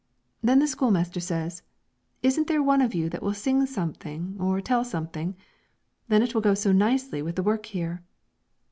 Then the schoolmaster says, "Isn't there one of you that will sing something or tell something? then it will go so nicely with the work here."